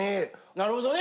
なるほどね。